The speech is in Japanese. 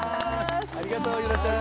ありがとう柚乃ちゃん。